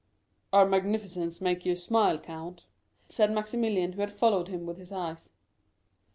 "Our magnificence makes you smile, count," said Maximilian, who had followed him with his eyes.